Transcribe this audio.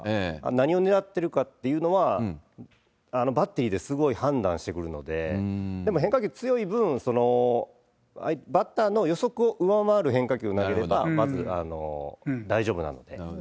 何を狙ってるかっていうのは、バッテリーですごい判断してくるので、でも、変化球強い分、バッターの予測を上回る変化球を投げれば、まず大丈夫なので。